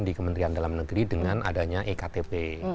di kementerian dalam negeri dengan adanya ektp